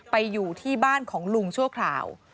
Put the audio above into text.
อยู่ที่บ้านของลุงชั่วคราว